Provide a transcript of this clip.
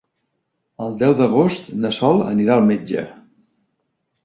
El deu d'agost na Sol anirà al metge.